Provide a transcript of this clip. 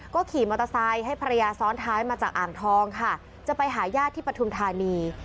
ก็ขี่มอเตอร์ไซค์ให้ภรรยาซ้อนท้ายมาจากอ่างทองค่ะจะไปหาญาติที่ปฐุมธานี